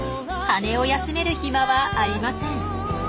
翅を休める暇はありません。